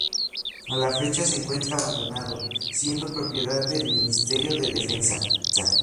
A la fecha se encuentra abandonado, siendo propiedad del Ministerio de Defensa.